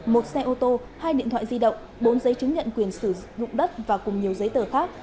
một xe ô tô hai điện thoại di động bốn giấy chứng nhận quyền sử dụng đất và cùng nhiều giấy tờ khác